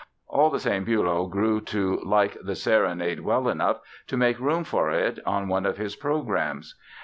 All the same Bülow grew to like the Serenade well enough to make room for it on one of his programs.